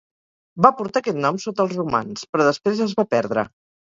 Va portar aquest nom sota els romans, però després es va perdre.